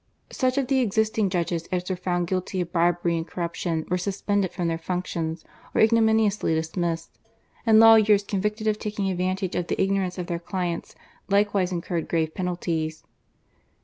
Such of the existing judges as were found guilty of bribery and corruption were suspended from their functions, or ignomini ously dismissed; and lawyers convicted of taking advantage of the ignorance of their clients likewise incurred grave penalties.